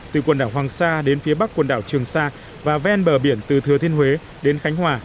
từ quần đảo hoàng sa đến phía bắc quần đảo trường sa và ven bờ biển từ thừa thiên huế đến khánh hòa